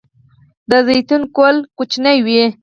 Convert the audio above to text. د زیتون ګل کوچنی وي؟